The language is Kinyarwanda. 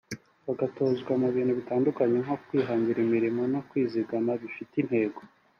bagatozwa mu bintu bitandukanye nko kwihangira imirimo no kwizigama bifite intego